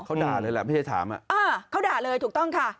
เขาด่าเลยแหละไม่ใช่ถามอ่ะอ่าเขาด่าเลยถูกต้องค่ะ